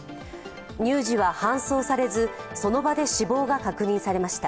乳児は搬送されず、その場で死亡が確認されました。